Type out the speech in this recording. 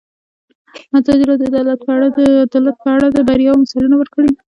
ازادي راډیو د عدالت په اړه د بریاوو مثالونه ورکړي.